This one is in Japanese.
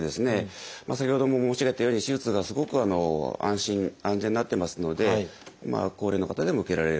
先ほども申し上げたように手術がすごく安心安全になってますので高齢の方でも受けられる。